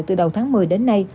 từ đầu tháng một mươi đến nay